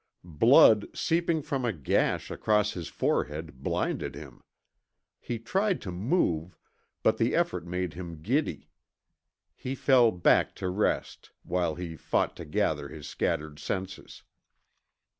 Blood, seeping from a gash across his forehead, blinded him. He tried to move, but the effort made him giddy. He fell back to rest, while he fought to gather his scattered senses.